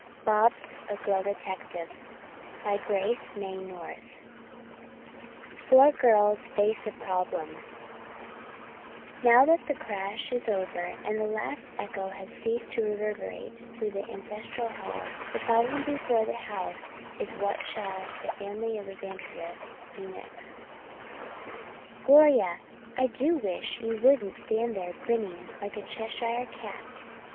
BOBS, A GIRL DETECTIVE CHAPTER I FOUR GIRLS FACE A PROBLEM "Now that the crash is over and the last echo has ceased to reverberate through our ancestral halls, the problem before the house is what shall the family of Vandergrifts do next?" "Gloria, I do wish you wouldn't stand there grinning like a Cheshire cat.